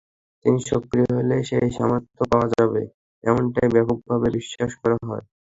তিনি সক্রিয় হলে সেই সমর্থন পাওয়া যাবে, এমনটাই ব্যাপকভাবে বিশ্বাস করা হয়।